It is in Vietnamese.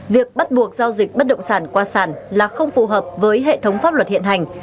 việc bắt buộc giao dịch bất động sản qua sản là không phù hợp với hệ thống pháp luật hiện hành